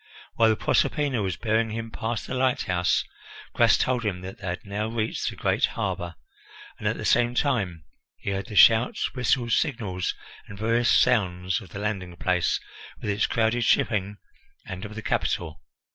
While the Proserpina was bearing him past the lighthouse, Gras told him that they had now reached the great harbour, and at the same time he heard the shouts, whistles, signals, and varying sounds of the landing place with its crowded shipping, and of the capital.